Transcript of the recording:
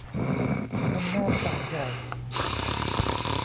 อำนาจบาตรใหญ่